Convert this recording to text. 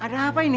ada apa ini